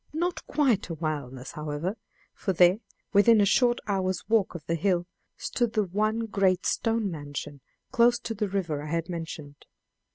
Not quite a wilderness, however, for there, within a short hour's walk of the hill, stood the one great stone mansion, close to the river I had mentioned.